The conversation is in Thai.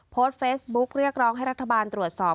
โพสต์เฟซบุ๊กเรียกร้องให้รัฐบาลตรวจสอบ